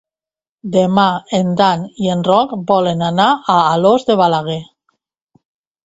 Demà en Dan i en Roc volen anar a Alòs de Balaguer.